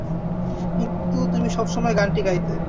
কিন্তু তুমি সবসময় গানটি গাইতে।